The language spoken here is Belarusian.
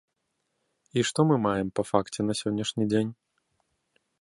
І што мы маем па факце на сённяшні дзень?